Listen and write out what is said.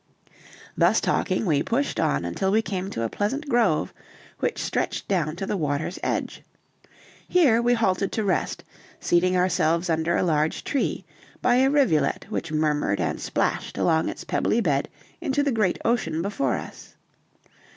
Thus talking, we pushed on until we came to a pleasant grove which stretched down to the water's edge; here we halted to rest, seating ourselves under a large tree, by a rivulet which murmured and splashed along its pebbly bed into the great ocean before us.